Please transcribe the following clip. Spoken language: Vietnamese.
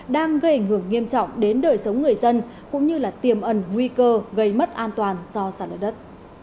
đang gây ảnh hưởng nghiêm trọng đến đời sống người dân cũng như tiềm ẩn nguy cơ gây mất an toàn do sản lở đất